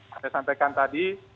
saya sampaikan tadi